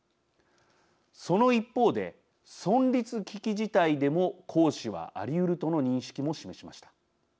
その一方で存立危機事態でも行使はありうるとの認識も示しました。